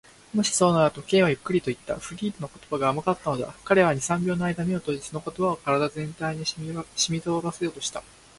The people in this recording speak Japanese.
「もしそうなら」と、Ｋ はゆっくりといった。フリーダの言葉が甘かったのだ。彼は二、三秒のあいだ眼を閉じ、その言葉を身体全体にしみとおらせようとした。